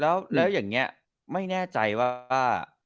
แล้วอย่างนี้ไม่แน่ใจว่า